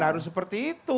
harus seperti itu